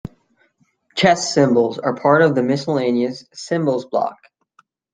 Chess symbols are part of the Miscellaneous Symbols block.